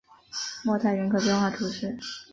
莫泰人口变化图示